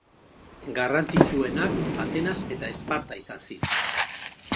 Garrantzitsuenak Atenas eta Esparta izan ziren.